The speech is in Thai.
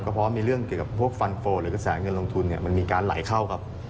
ก็เพราะว่ามีเรื่องเกี่ยวกับพวกฟันโฟล์หรือแสงเงินลงทุนเนี่ยมันมีการไหลเข้าครับ